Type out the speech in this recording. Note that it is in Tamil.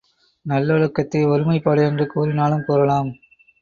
நல்லொழுக்கத்தை ஒருமைப்பாடு என்று கூறினாலும் கூறலாம்.